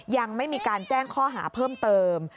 ยังไม่มีการแจ้งข้อหาเพิ่มเติม